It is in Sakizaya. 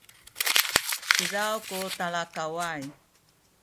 izaw ku talakaway